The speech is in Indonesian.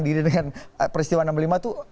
diri dengan peristiwa enam puluh lima itu